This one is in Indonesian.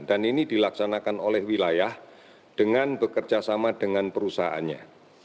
dan ini dilaksanakan oleh wilayah dengan bekerja sama dengan perusahaannya